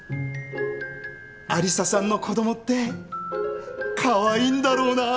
有沙さんの子供ってカワイイんだろうなぁ。